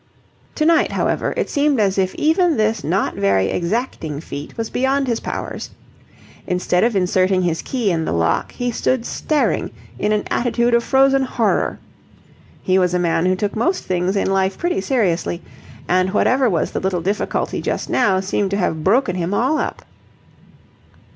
To night, however, it seemed as if even this not very exacting feat was beyond his powers. Instead of inserting his key in the lock, he stood staring in an attitude of frozen horror. He was a man who took most things in life pretty seriously, and whatever was the little difficulty just now seemed to have broken him all up.